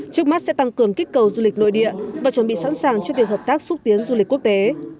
trước mắt sẽ tăng cường kích cầu du lịch nội địa và chuẩn bị sẵn sàng cho việc hợp tác xúc tiến du lịch quốc tế